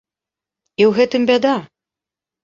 І ў гэтым бяда!